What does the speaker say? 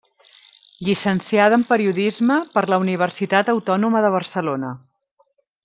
Llicenciada en Periodisme per la Universitat Autònoma de Barcelona.